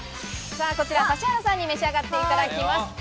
こちらは指原さんに召し上がっていただきます。